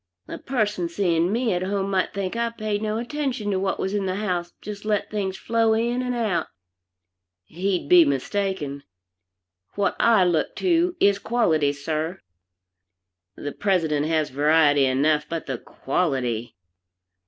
A person seeing me at home might think I paid no attention to what was in the house, just let things flow in and out. He'd be mistaken. What I look to is quality, sir. The President has variety enough, but the quality!